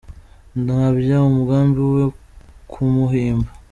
Nkabya umugambi wo kumuhimba.